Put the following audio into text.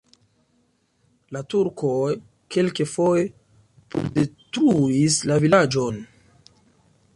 La turkoj kelkfoje bruldetruis la vilaĝon.